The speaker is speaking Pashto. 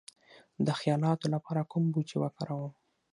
د خیالاتو لپاره کوم بوټي وکاروم؟